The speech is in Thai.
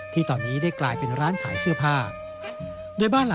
ที่ตอนนี้ได้กลายเป็นร้านขายเสื้อผ้า